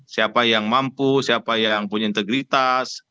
siapa yang mampu siapa yang punya integritas